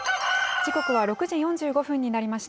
時刻は６時４５分になりました。